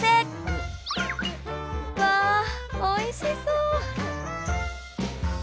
うわおいしそう！